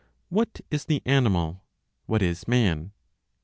What is the Animal? What is Man?